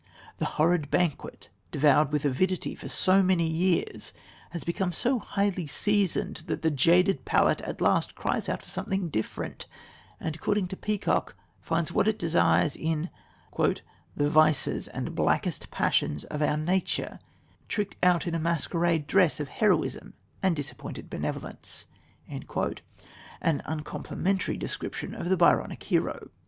The horrid banquet, devoured with avidity for so many years, has become so highly seasoned that the jaded palate at last cries out for something different, and, according to Peacock, finds what it desires in "the vices and blackest passions of our nature tricked out in a masquerade dress of heroism and disappointed benevolence" an uncomplimentary description of the Byronic hero.